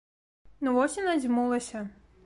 Ну вось і надзьмулася.